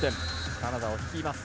カナダを率います。